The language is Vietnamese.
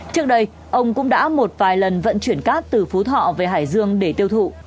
trước đây ông cũng đã một vài lần vận chuyển cát từ phú thọ về hải dương để tiêu thụ